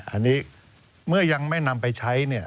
อันนี้เมื่อยังไม่นำไปใช้เนี่ย